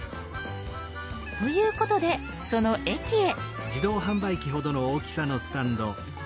ということでその駅へ。